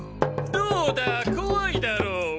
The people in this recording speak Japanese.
どうだこわいだろう。